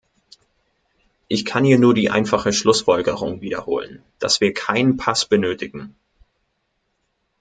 Ich kann hier nur die einfache Schlussfolgerung wiederholen, dass wir keinen Pass benötigen.